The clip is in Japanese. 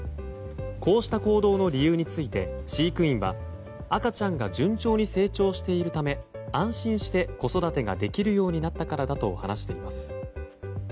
こうした行動の理由について飼育員は赤ちゃんが順調に成長しているため安心して子育てができるようになったからだと話しています。